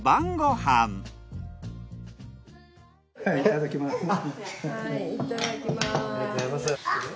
はいいただきます。